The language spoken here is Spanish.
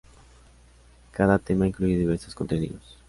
Cada tema incluye diversos contenidos.